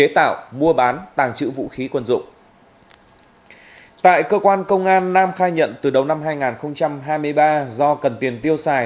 tại cơ quan công an nam khai nhận từ đầu năm hai nghìn hai mươi ba do cần tiền tiêu xài